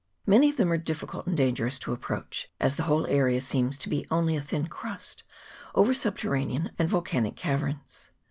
Many of them are difficult and dangerous to approach, as the whole area seems to be only a thin crust over subterranean and volcanic caverns.